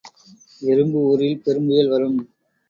எறும்பு ஊரில் பெரும்புயல் வரும்.